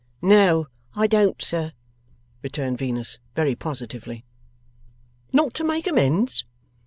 'No I don't, sir,' returned Venus, very positively. 'Not to make amends?